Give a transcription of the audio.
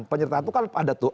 penyertaan itu kan ada tuh